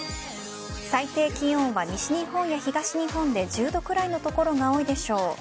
最低気温は西日本や東日本で１０度くらいの所が多いでしょう。